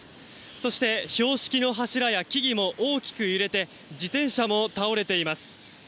そして、標識の柱や木々も大きく揺れて自転車も倒れています。